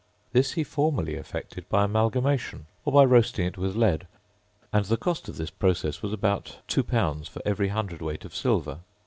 This he formerly effected by amalgamation, or by roasting it with lead; and the cost of this process was about 2l. for every hundred weight of silver.